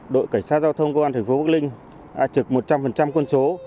đội cảnh sát giao thông công an thành phố bắc ninh đã trực một trăm linh quân số